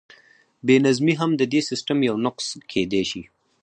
بې نظمي هم د دې سیسټم یو نقص کیدی شي.